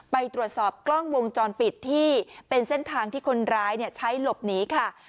ไปตรวจสอบกล้องวงจรปิดที่เป็นเส้นทางที่คนร้ายใช้หลบหนีค่ะ